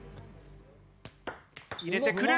入れてくる！